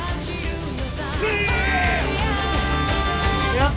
やっ